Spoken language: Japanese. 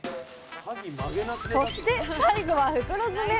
そして最後は袋詰め！